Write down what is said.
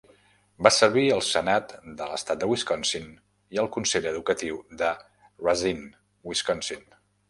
Va servir al senat de l'estat de Wisconsin i al consell educatiu de Racine, Wisconsin.